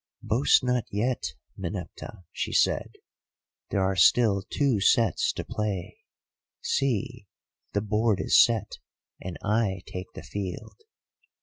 "'Boast not yet, Meneptah,' she said. 'There are still two sets to play. See, the board is set and I take the field.